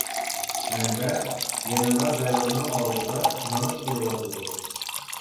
ھەمدە يەنىلا دەۋرنىڭ ئالدىدا مېڭىپ كېلىۋاتىدۇ.